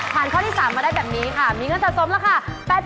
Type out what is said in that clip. ผ่านข้อที่๓มาได้แบบนี้ค่ะมีเงินต่อสมราคา๘๐๐๐บาท